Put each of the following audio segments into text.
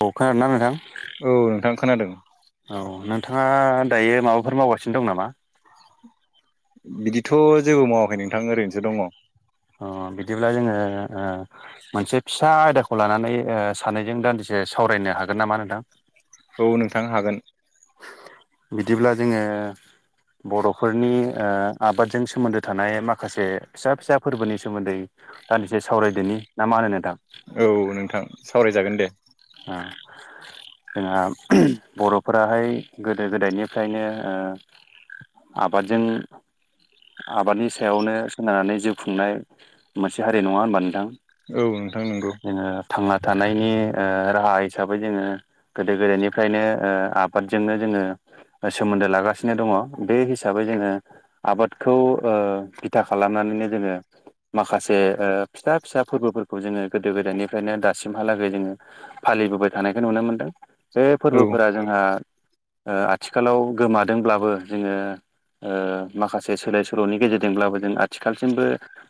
अ खोनादों ना नोंथां औ नोंथां खोनादों। औ नोंथाङा दायो माबाफोर मावगासिनो दं नामा? बिदिथ' जेबो मावाखै नोंथां ओरैनोसो दङ अ बिदिब्ला जोङो। मोनसे फिसा आयदाखौ लानानै सानैनायजों दान्दिसे सावरायनो हागोन नामा नोंथां औ नोंथां हागोन बिदिब्ला जोङो बर'फोरनि आबादजों सोमोन्दो थानाय माखासे फिसा फिसा फोरबोनि सोमोन्दै दान्दिसे सावरायदोनि ना मा होनोदां औ नोंथां सावरायजागोन दे जोंहा बर' फोराहाय गोदो गोदायनिफ्रायनो आबादजों आबादनि सायावनो सोनारनानै जिउ खुंनाय मोनसे हारि नङा होनबा नोंथां। औ नोंथां नंगौ जोङो थांना थानायनि राहा हिसाबै जोङो गोदो गोदायनिफ्रायनो ओ आबादजोंनो जोङो सोमोन्दो लागासिनो दङ बे हिसाबै जोङो आबादखौ ओ बिथा खालामनानैनो जोङो माखासे फिथसा फिसा फोरबोफोरखौ जोङो गोदो गोदायनिफ्रायनो दासिमहालागै जोङो फालिबोबाय थानायखौ नुनो मोनदों बे औ फोरबोफोरा जोंहा ओ आथिखालाव गोमादोंब्लाबो जोङो ओ माखासे सोलाय सोल'नि गेजेरजोंब्लाबो जों आथिखालसिमबो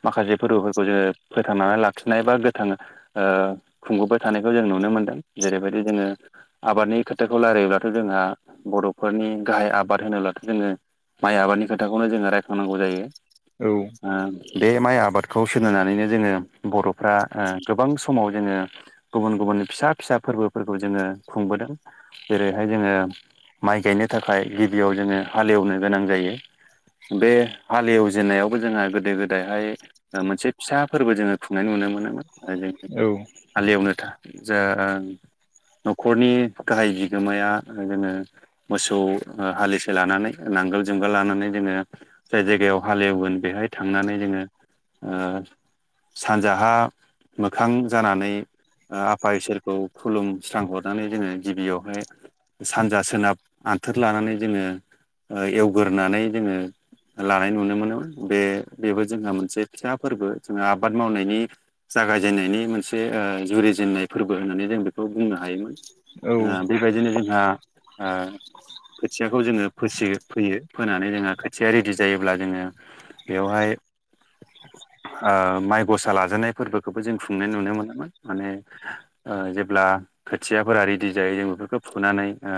माखासे फोरबोफोरखौ जोङो फोथांनानै लाखिनाय बा गोथां ओ खुंबोबाय थानायखौ जों नुनो मोनदों जेरैबायदि जोङो आबादनि खोथाखौ खौ राय्लायोब्लाथ' जोंहा बर'फोरनि गाहाय आबाद होनोब्लाथ' जोङो माइ आबादनि खोथाखौनो जोङो रायखांनांगौ जायो औ ओ बे माइ आबादखौ सोनारनानैनो जोङो बर'फ्रा गोबां समाव जोङो गुबुन गुबुन फिसा फिसा फोरबोफोरखौ जोङो खुंबोदों जेरैहाय जोङो माइ गायनो थाखाय गिबियाव जोङो हालेवनो गोनां जायो बे हालेवजेननायावबो जोंहा गोदो गोदायहाय ओ मोनसे फिसा फोरबो जोङो खुंनाय नुनो मोनोमोन आरो जों औ हाललिवनो था जा न'खरनि गाहाय बि नोमाया जोङो मोसौ हालिसे लानानै नांगोल जुंगाल लानानै बिमाया जाय जायगायाव हालेवगोन बेहाय थांनानै जोङो ओ सानजाहा मोखां जानानै आफा इसोरखौ खुलुमस्रांहरनानै जोङो गिबियावहाय सानजा सोनाब आन्थोर लानानै जोङो एवगोरोनानै जोङो लानाय नुनो मोनोमोन बे बेबो जोंहा मोनसे फिसा फोरबो जोंहा आबाद मावनायनि जागायजेननायनि मोनसे ओ जुरिजेननाय फोरबो होननानै जों बेखौ बुंनो हायोमोन औ बेबायदिनो जोंहा ओ खोथियाखौ जोङो फोसियो फोयो फोनानै जोंहा खोथिया रेडि जायोब्ला जोङो बेवहाय ओ माइ गसा लाजानाय फोरबोखौबो जों खुंनाय नुनो मोनामोन माने ओ जेब्ला खोथियाफोरा रेडि जायो जों बेफोरखौ फुनानै ओ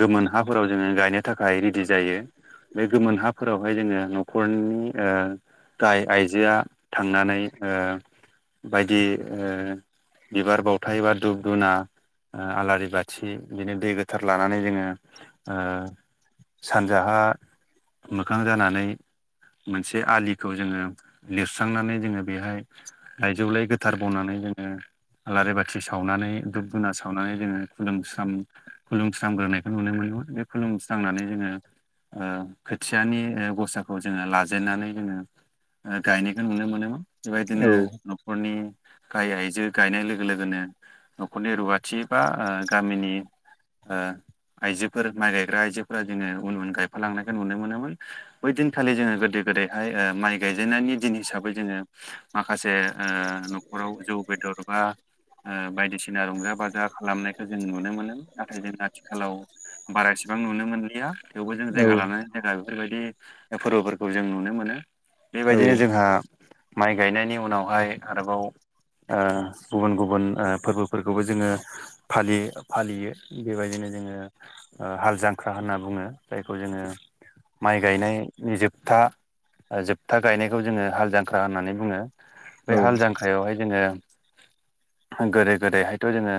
गोमोन हाफोराव जोङो गायनो थाखाय रेडि जायो बे गोमोन हाफोरावहाय जोङो न'खरनि ओ गाहाय आइजोआ थांनानै ओ बायदि ओ बिबार बावथाय बा दुब दुना आलारि बा थि बिदिनो दै गोथार लानानै जोङो ओ सानजाहा मोखां जानानै मोनसे आलिखौ जोङो लिरस्रांनानै जोङो बेहाय लाइजौलाय गोथार बावनानै जोङो आलारि बाथि सावनानै दुुब दुना सावनानै जोङो खुलुमस्रां खुलुमस्रांगोरनायखौ नुनो मोनदोंमोन बे खुलुमस्रांनानै जोङो ओ खोथियानि गसाखौ जोङो लाजेनन्नानै जोङो ओ गायनायखौ नुनो मोनोमोन बेबायदिनो औ नखरनि गाहाय आइजो गायनाय लोगो लोगोनो न'खरनि रुवाथि बा गामिनि ओ आइजोफोर माइ गायग्रा आइजोफोरा जोङो उन उन गायफालांनायखौ नुनो मोनोमोन बै दिनखालि जोङो गोदो गोदैहाय ओ माइ गायजेननायनि दिन हिसाबै जोङो माखासे ओ नखराव जौ बेदर बा ओ बायदिसिना रंजा बाजा खालामनाय खौ जों नुनो मोनो नाथाय जों आथिखालाव बारा एसेबां नुनो मोनलिया थेवबो जों औ जायगा लानानै जायगा बेफोरबायदि दा फोरबोफोरखौ जों नुनो मोनो बेबायदिनो जोंहा माइ गायनायनि उनावहाय आरोबाव ओ गुबुन गुबुन ओ फोरबोफोरखौबो जोङो फालियो फालियो बेबायदिनो जोङो ओ हाल जांख्रा होनना बुङो जायखौ जोङो माइ गायनायनि जोबथा ओ जोबथा गायनायखौ जोङो हाल जांख्रा होननानै बुङो बे हाल जांख्रायावहाय जोङो गोदो गोदायहायथ' जोङो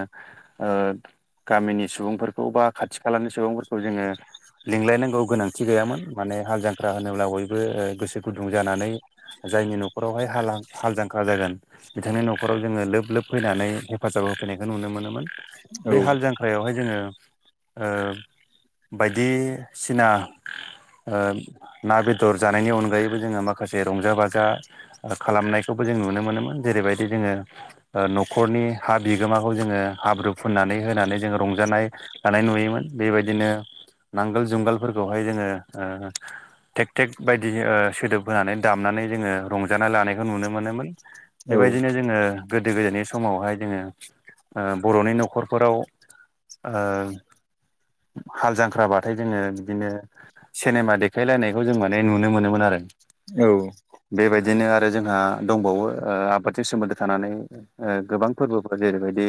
गामिनि सुबुंफोरखौ बा खाथि खालानि सुबुंफोरखौ जोङो लिंलायनांगौ गोनांथि गैयामोन माने हाल जांख्रा होनोब्ला बयबो गोसो गुदुं जानानै जायनि न'खरावहाय हा हाल जांख्रा जागोन बिथांनि न'खराव जोङो लोब लोब फैनानै हेफाजाब होफैनायखौ नुनो मोनोमोन बे औ हाल जांख्रायावहाय जोङो ओ बायदिसिना ना बेदर जानायनि अनगायैबो जोङो माखासे रंजा बाजा खालामनायखौबो जों नुनो मोनोमोन जेरैबायदि जोङो न'खरनि हा बिगोमाखौ जोङो हाब्रु फुननानै होनानै जोङो रंजानाय लानाय नुयोमोन बेबायदिनो नांगोल जुंगालफोरखौहाय जोङो टेक टेक बायदि सोदोब होनानै दामनानै जोङो रंजानाय लानायखौ नुनो मोनोमोन औ बेबायदिनो जोङो गोदो गोदायनि समावहाय जोङोओ बर'नि न'खर न'खरफोराव ओ हाल जांख्राबाथाय जोङो बिदिनो सेनेमा देखायलायनायखौ जों माने नुनो मोनोमोन आरो औ बेबायदिनो आरो जोंहा दंबावो ओ आबादजों सोमोन्दो थानानै गोबां फोरबोफोर जेरैबायदि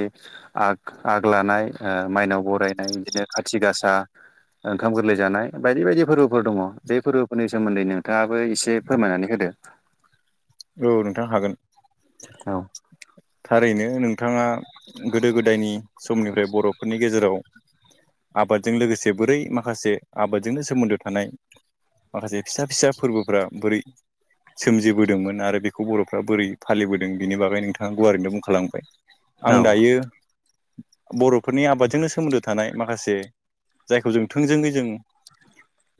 आग आग लानाय माइनाव बरायनाय बिदिनो खाथि गासा ओंखाम गोरलै जानाय बायदि बायदि फोरबोफोर दङ बे फोरबोफोरनि सोमोन्दै नोंथाङाबो एसे फोरमायनानै होदो औ नोंथां हागोन औ थारैनो नोंथाङा गोदो गोदायनि समनिफ्राय बर'फोरनि गेजेराव आबादजों लोगोसे बोरै माखासे आबादजोंनो सोमोन्दो थानाय माखासे फिसा फिसा फोरबोफ्रा बोरै सोमजिबोदोंमोन आरो बेखौ बर'फ्रा बोरै फालिबोदों बेनि बागै नोंथाङा गुवारैनो बुंखालांबाय आं औ दायो बर'फोरनि आबादजोंनो सोमोन्दो थानाय माखासे जायखौ जों थोंजोङै जों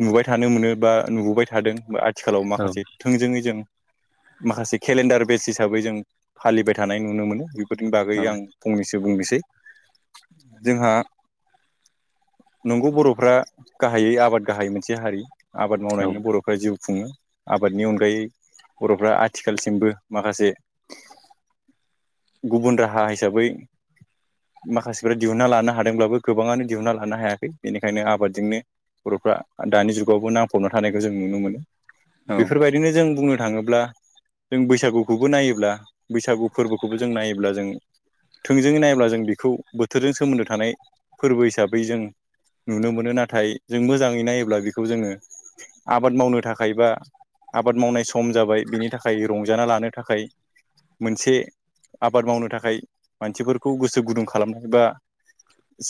नुबाय थानो मोनो बा नुबोबाय थादों आथिखालाव औ माखासे थोंजोङै जों माखासे केलेन्डार बेस हिसाबै जों फालिबाय थानाय नुनो मोनो बेफोरनि बागै औ आं फंनैसो बुंनोसै जोंहा नंगौ बर'फ्रा गाहायै आबाद गाहायै मोनसे हारि आबाद मावनायनि बर'फ्रा जिउ खुङो आबादनि अनगायै फ्रा आथिखालसिमबो माखासे गुबुन राहा हिसाबै माखासेफ्रा दिहुनना लानो हादोंब्लाबो गोबाङानो दिहुनना लानो हायाखै बेनिखायनो आबादजोंनो बरफ्रा दानि जुगावबो नांफबना थानायखौ जों नुनो मोनो औ बेफोरबायदिनो जों बुंनो थाङोब्ला जों बैसागुखौबो नायोब्ला बैसागु फोरबोखौबो जों नायोब्ला जों थोंजोङै नायोब्ला जों बेखौ बोथोरजों सोमोन्दो थानाय फोरबो हिसाबै जों नुनो मोनो नाथाय जों मोजाङै नायोब्ला बेखौ जोङो आबाद मावनो थाखाय बा आबाद मावनाय सम जाबाय बिनि थाखाय रंजाना लानो थाखाय मोनसे आबाद मावनो थाखाय मानसिफोरखौ गोसो गुदुं खालामनाय बा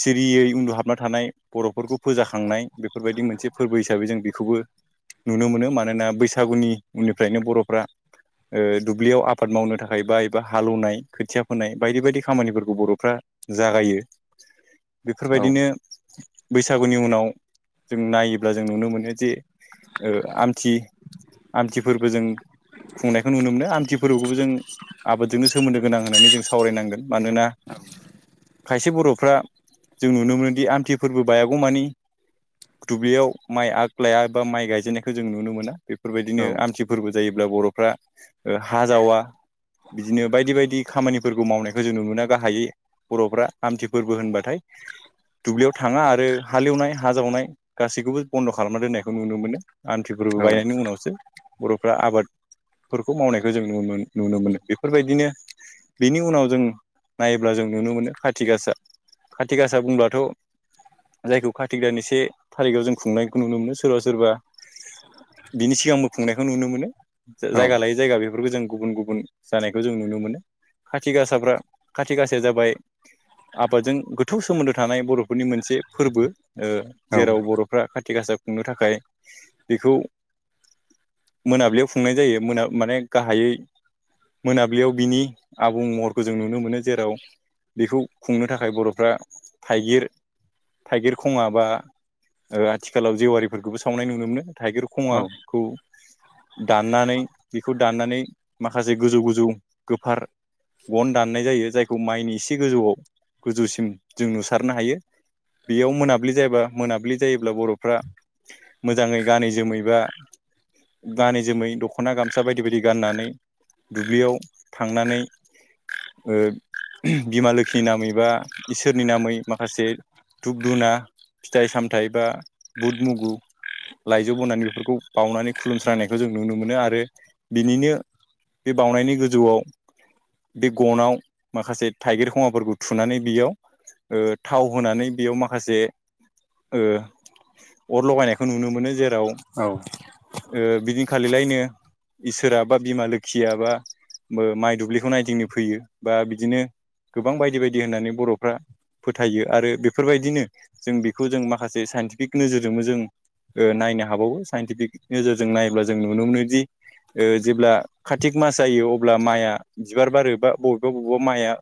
सिरियै उन्दुहाबना थानाय बरफोरखौ फोजाखांनाय बेफोरबायदि मोनसे फोरबो हिसाबै जों बेखौबो नुनो मोनो मानोना बैसागुनि उननिफ्रायनो बर'फ्रा [inaudible] ओ दुब्लियाव आबाद मावनो थाखाय बा एबा हालौनाय खोथिया फोनाय बायदि बायदि खामानिफोरखौ बर'फ्रा जागायो [inaudible] औ बेफोरबायदिनो बैसागुनि उनाव जों नायोब्ला जों नुनो मोनो जे ओ आमथि आमथिफोरबो जों खुंनायखौ नुनो मोनो आमथि फोरबोखौबो जों आबादजोंनो सोमोन्दो गोनां होननानै जों स सावरायनांगोन मानोना खायसे बरफ्रा जों नुनो मोनोदि आमथि फोरबो बायागौमानि दुब्लियाव माइ आग लाया बा माइ गायजेननायखौ जों नुनो मोना औ बेफोरबायदिनो आमथि फोरबो जायो। ब्ला बरफ्रा हा जावा। बिदिनो बायदि बायदि खामानिफोरखौ मावनायखौ जों नुबोना गाहायै बरफ्रा आमथि फोरबो होनबाथाय दुब्लियाव थाङा आरो हालेवनाय हा जावनाय गासैखौबो बन्द खालामना दोननायखौ नुनो मोनो। आमथि फोरबो बायनायनि उनावसो बरफ्रा आबाद फोरखौ मावनायखौ जों नु मोन नुनो मोनो बेफोरबायदिनो बिनि उनाव जों नायोब्ला जों नुनो मोनो खाथि गासा खाथि गासा बुंब्लाथ जायखौ खाथिग दानि से थारिखआव जों खुंनायखौ नुनो मोनो, सोरबा सोरबा बिनि सिगांबो खुंनायखौ नुनो मोनो। जा औ जायगा लायै जायगा बेफोरखौ जों गुबुन गु गुबुन जानायखौ जों नुनो मोनो खाथि गासाफ्रा खाथि गाासाया जाबाय आबादजों गोथौ सोमोन्दो थानाय बरफोरनि मोनसे फोरबो ओ जेराव बर फोरा खाथि गासा खुंनो थाखाय बेखौ मोनाबिलियाव खुंनाय जायो मोना माने गाहायै मोनाबिलियाव बिनि आबुं महरखौ जों नुनो मोनो जेराव बेखौ खुंनो थाखाय बरफ्रा थाइगिर थाइगिर खङा बा ओ आथिखालाव जेवारिफोरखौबो सावनाय नुनो मोनो। थाइगिर खङा खौ दाननानै बेखौ दाननानै माखासे गोजौ गोजौ गोफार गन दाननाय जायो जायखौ माइनि एसे गोजौआव गोजौसिम जों नुसारनो हायो। बेयाव मोनाब्लि जायाबा मोनाब्लि जायोब्ला बरफ्रा मोजाङै गानै जोमैबा गानै जोमै दखना गामसा बायदि बायदि गाननानै दुब्लियाव थांनानै ओ बिमा लोखिनि नामै बा इसोरनि नामै माखासे धुप धुना फिथाइ सामथाइ बा बुद मुगु लाइजौ बनानै बेफोरखौ बावनानै खुलुमस्रायनाय खौ जों नुनो मोनो आरो बिनिनो बे बावनायनि गोजौआव बे गनाव माखासे थाइगिर खवाफोरखौ थुनानै बियाव ओ थाव होनानै बेयाव माखासे ओ अर लगायनायखौ नुनो मोनो जेराव औ बिदिनो खालिलायनो इसोरा बा बिमा लोखिआ बा माइ दुब्लिखौ नायदिंनो फैयो। बा बिदिनो गोबां बायदि बायदि होननानै बर'फ्रा फोथायो आरो बेफोरबायदिनो जों बेखौ जों माखासे साइन्टिफिक नोजोरजोंबो जों नायनो हाबावो साइन्टिफिक नोजोरजों नाय्ला जों नुनो मोनोदि जेब्ला कार्तिक मास जायो अब्ला माइआ बिबार बारोबा बबेबा बबेबा माइआ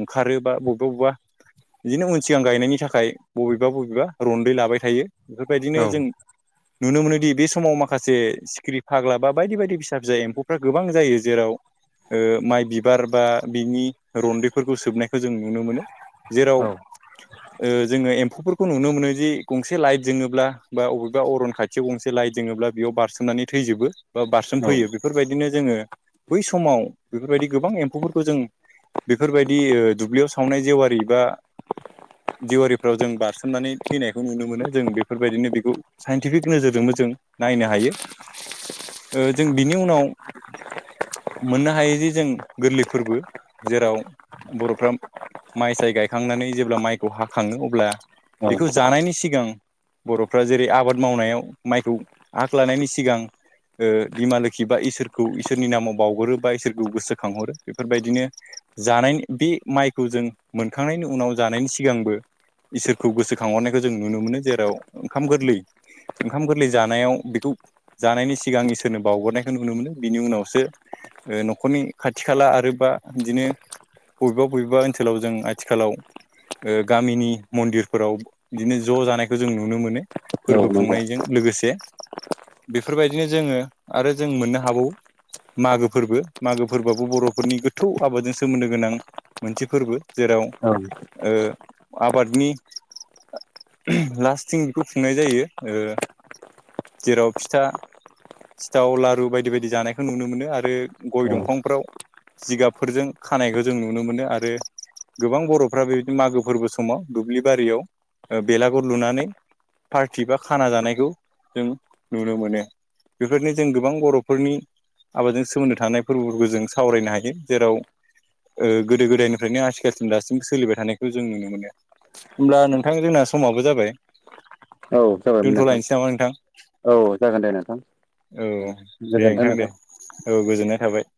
ओंखारोबा बबेबा बबेबा बिदिनो उन सिगां गायनायनि थाखाय बबेबा बबेबा रन्दै लाबाय थायो। बेफोरबायदिनो जों नुनो मोनोदि बे समाव माखासे सिक्रि फाग्ला बा बायदि बायदि फिसा फिसा एम्फौफ्रा गोबां जायो जेराव माइ बिबार बा बिनि रन्दैफोरखौ सोबनायखौ जों नुनो मोनो। जेराव औ जोङो एम्फौफोरखौ नुनो मोनो जि गंसे लाइट जोङोब्ला बा बबेबा अरन खाथि खसे गंसे लाइट जोङोब्ला बेयाव बारसोमनानै थैजोबो बा बारसोम औ फैयो बे बेफोरबायदिनो जोङो बै समाव बेफोरबायदि गोबां एम्फौफोरखौ जों बेफोरबायदि ओ दुब्लियाव सावनाय जेवारि बा जिेवारिफ्राव जों बारसोमनानै फैनायखौ नुनो मोनो जों बेफोरबायदिनो बेखौ साइन्टिफिक नोजोरजोंबो जों नायनो हायो। ओ जों बिनि उनाव मोननो हायो जे जों गोरलै फोरबो जेराव बर'फ्रा माइ साय गायखांनानै जेब्ला माइखौ हाखाङो अब्ला बेखौ जानायनि सिगां बर'फ्रा जेरै आबाद मावनायाव माइखौ आग लानायनि सिगां ओ बिमा लोखि बा इसोरखौ इसोरनि नामाव बावगरो बा इसोरखौ गोसोखांहरो बेफोरबायदिनो जानायनि बे माइखौ जों मोनखांनायनि उनाव जानायनि सिगांबो इसोरखौ गोसोखांहरनायखौ जों नुनो मोनो जेराव ओंखाम गोरलै ओंखाम गोरलै जानायाव बेखौ जानायनि सिगां इसोरनो बावगरनायखौ नुनो मोनो बिनि उनावसो ओ न'खरनि खाथि खाला आरोबा बिदिनो बबेबा बबेबा ओनसोलाव जों आथिखालाव ओ गामिनि मन्दिरफोराव बिदिनो ज' जानायखौ जों नुनो मोनो। फोरबो औ नंगौ खुंनायजों लोगोसे बेफोरबायदिनो जोङो आरो जों मोननो हाबावो मागो फोरबो मागो फोरबोआबो बर'फोरनि गोथौ आबादजों सोमोन्दो गोनां मोनसे फोरबो। जेराव औ ओ आबादनि लास्थिं बेखौ खुंनाय जायो जेराव फिथा सिथाव लारु बायदि बायदि जानायखौ नुनो मोनो। आरो गय औ दंफांफ्राव जिगाबफोरजों खानायखौ जों नुनो मोनो। आरो गोबां बर'फ्रा बेबायदिनो मागो फोरबो समाव दुब्लि बारियाव ओ बेलागुर लुनानै पार्टि बा खाना जानायखौ जों नुनो मोनो। बेफोरनो जों गोबां बर'फोरनि आबादजों सोमोन्दो थानाय फोरबोफोरखौ जों सावरायनो हायो जेराव ओ गोदो गोदायनिफ्रायनो आथिखालसिम दासिमबो सोलिबाय थानायखौ जों नुनो मोनो। होमब्ला नोंथां जोंना समाबो जाबाय। औ जाबायमोन नोंथां। दोनथ'लायनोसै नामा नोंथां औ जागोन दे नोंथां। औ दे नोंथां दे औ गोजोननाय थाबाय।